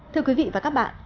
thưa quý vị và các bạn